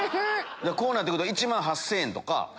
こうなってくると１万８０００円とか。